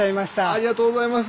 ありがとうございます。